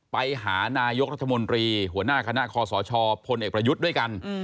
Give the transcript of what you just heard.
ไปหานายกรัฐมนตรีหัวหน้าคณะคอสชพลเอกประยุทธ์ด้วยกัน